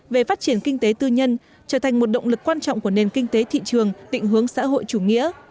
về phát triển kinh tế tư nhân trở thành một động lực quan trọng của nền kinh tế thị trường định hướng xã hội chủ nghĩa